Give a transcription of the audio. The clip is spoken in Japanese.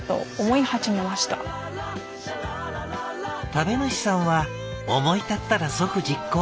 「食べ主さんは思い立ったら即実行。